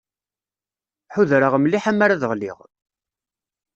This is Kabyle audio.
Ḥudreɣ mliḥ amar ad ɣliɣ.